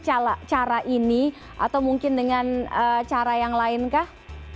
cara ini atau mungkin dengan cara yang lain kah